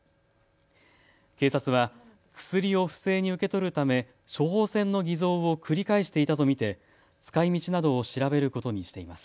警察は薬を不正に受け取るため処方箋の偽造を繰り返していたと見て使いみちなどを調べることにしています。